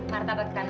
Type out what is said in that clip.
marta bagi kamila